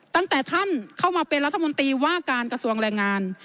ตั้งแต่ท่านเข้ามาเป็นรัฐมนตรีว่าการกระทรวงแรงงาน